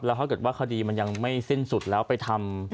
ถ้าเกิดว่าคดีมันยังไม่สิ้นสุดแล้วไปทำ